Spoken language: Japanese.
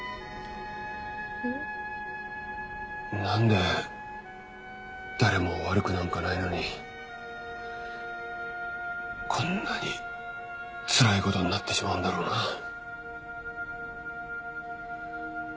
なんで誰も悪くなんかないのにこんなにつらいことになってしまうんだろうな。